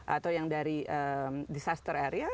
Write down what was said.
atau yang dari disaster area